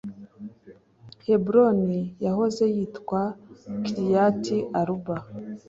(Heburoni yahoze yitwa Kiriyati-Aruba),